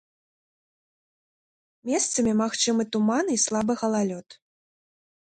Месцамі магчымы туман і слабы галалёд.